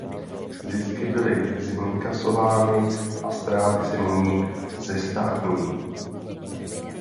Zisky byly zinkasovány a ztráty se nyní zestátňují.